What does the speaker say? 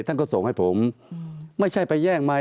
ตั้งแต่เริ่มมีเรื่องแล้ว